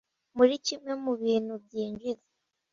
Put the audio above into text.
muri kimwe mu bintu byinjiza